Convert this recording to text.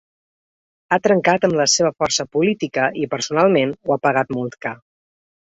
Ha trencat amb la seva força política i personalment ho ha pagat molt car.